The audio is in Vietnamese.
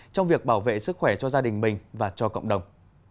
trong việc bảo vệ sức khỏe cho gia đình mình và cho cộng đồng